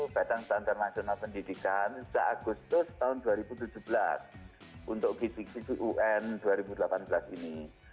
padang tentang nasional pendidikan seagustus tahun dua ribu tujuh belas untuk kisi kisi un dua ribu delapan belas ini